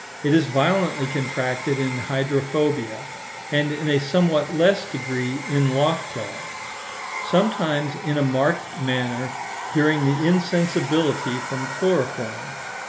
It is violently contracted in hydrophobia, and in a somewhat less degree in lockjaw; sometimes in a marked manner during the insensibility from chloroform.